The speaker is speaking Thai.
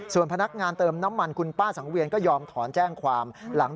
ส่วนพนักงานเติมน้ำมันคุณป้าสังเวียนก็ยอมถอนแจ้งความ